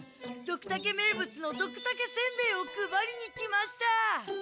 ドクタケ名物のドクタケせんべえを配りに来ました！